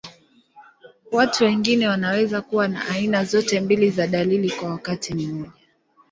Watu wengine wanaweza kuwa na aina zote mbili za dalili kwa wakati mmoja.